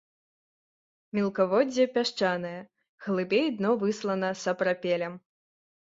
Мелкаводдзе пясчанае, глыбей дно выслана сапрапелем.